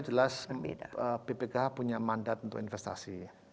yang berbeda jelas ppkh punya mandat untuk investasi